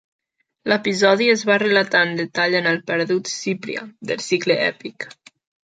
L'episodi es va relatar en detall en el perdut "Cipria", del Cicle Èpic.